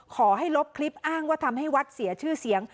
ขอให้ลบคลิปอ้างว่าทำให้วัดเสียชื่อเสียง